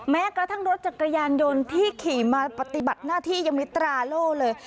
แม้กระทั่งรถจักรยานยนต์ที่ขี่มาปฏิบัติหน้าที่ยังมีตราโล่เลย